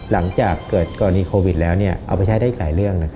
หลังจากเกิดกรณีโควิดแล้วเอาไปใช้ได้อีกหลายเรื่อง